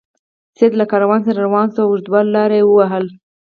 سید له کاروان سره روان شو او اوږده لار یې ووهله.